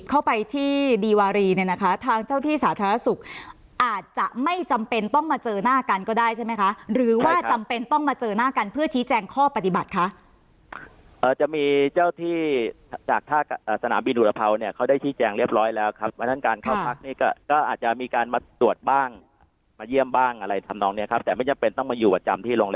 ทางเจ้าที่สาธารณสุขอาจจะไม่จำเป็นต้องมาเจอหน้ากันก็ได้ใช่ไหมคะหรือว่าจำเป็นต้องมาเจอหน้ากันเพื่อชี้แจงข้อปฏิบัติคะเอ่อจะมีเจ้าที่จากท่าสนามบินหุดระเภาเนี้ยเขาได้ชี้แจงเรียบร้อยแล้วครับเพราะฉะนั้นการเข้าพักเนี้ยก็ก็อาจจะมีการมาตรวจบ้างมาเยี่ยมบ้างอะไรทำนองเนี้ยครับแต่ไม่จ